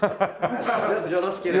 よろしければ。